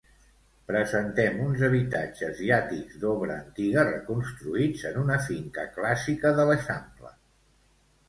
Presentem uns habitatges i àtics d'obra antiga reconstruïts en una finca clàssica de l'Eixample.